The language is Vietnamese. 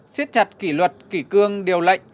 xiết chặt kỷ luật kỷ cương điều lệnh